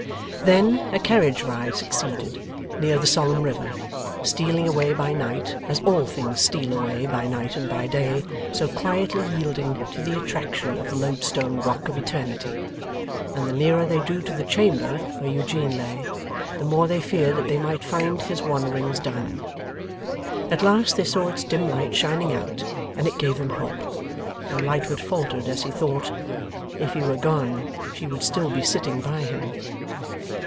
Then, a carriage ride succeeded, near the solemn river, stealing away by night, as all things steal away, by night and by day, so quietly yielding to the attraction of the loadstone rock of Eternity; and the nearer they drew to the chamber where Eugene lay, the more they feared that they might find his wanderings done. At last they saw its dim light shining out, and it gave them hope: though Lightwood faltered as he thought: 'If he were gone, she would still be sitting by him.